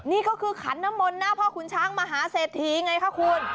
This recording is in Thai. นี่ก็คือขันน้ำมนต์หน้าพ่อขุนช้างมหาเศรษฐีไงคะคุณ